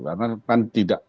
karena kan tidak